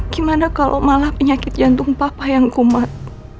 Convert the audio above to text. gimana kalau malah penyakit jantung papa yang kumat